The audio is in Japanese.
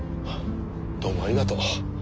どうもありがとう。